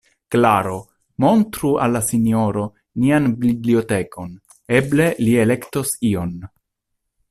Klaro, montru al la sinjoro nian bibliotekon, eble li elektos ion.